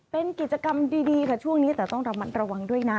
เป็นกิจกรรมดีค่ะช่วงนี้แต่ต้องระมัดระวังด้วยนะ